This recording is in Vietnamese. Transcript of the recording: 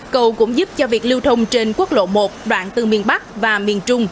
cầu cũng giúp cho việc lưu thông trên quốc lộ một đoạn từ miền bắc và miền trung